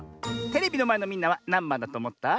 テレビのまえのみんなはなんばんだとおもった？